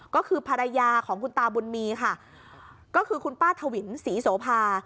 ก็คือภรรยาของคุณตาบุญมีค่ะก็คือคุณป้าถวินศรีโสภา